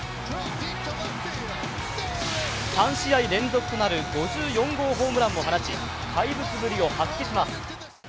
３試合連続となる５４号ホームランを放ち怪物ぶりを発揮します。